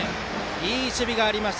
いい守備がありました